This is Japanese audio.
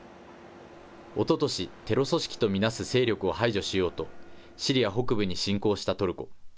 おととし、テロ組織と見なす勢力を排除しようと、シリア北部に侵攻したトルコ。